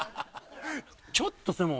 ちょっとでも。